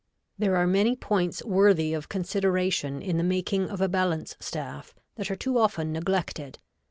There are many points worthy of consideration in the making of a balance staff that are too often neglected.